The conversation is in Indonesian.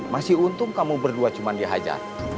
masih untung kamu berdua cuma dihajar